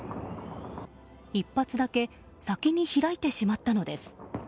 １発だけ先に開いてしまったのです。